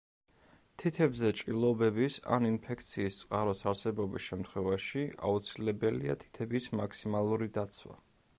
თითებზე ჭრილობების ან ინფექციის წყაროს არსებობის შემთხვევაში აუცილებელია თითების მაქსიმალური დაცვა.